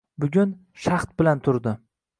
Bugun... shahd bilan turdi.